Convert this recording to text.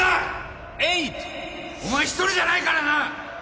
エイト！お前一人じゃないからな！